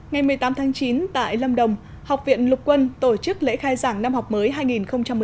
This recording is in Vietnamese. ngày một mươi tám tháng chín tại lâm đồng học viện lục quân tổ chức lễ khai giảng năm học mới hai nghìn hai mươi hai nghìn hai mươi